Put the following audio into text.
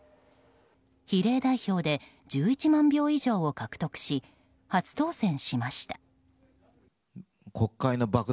比例代表で１１万票以上を獲得し初当選しました。